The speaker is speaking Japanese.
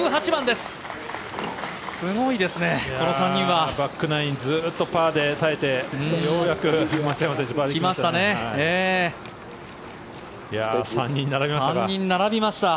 すごいですね、この３人は。バックナインずっとパーで耐えてようやく松山選手バーディー来ましたね。